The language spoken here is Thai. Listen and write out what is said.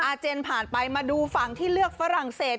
เจนผ่านไปมาดูฝั่งที่เลือกฝรั่งเศส